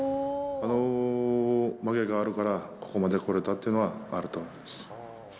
あの負けがあるから、ここまで来れたっていうのはあると思います。